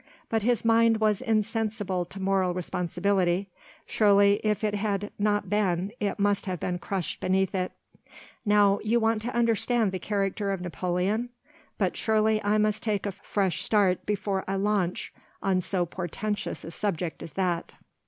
But his mind was insensible to moral responsibility. Surely if it had not been it must have been crushed beneath it. Now, if you want to understand the character of Napoleon—but surely I must take a fresh start before I launch on so portentous a subject as that.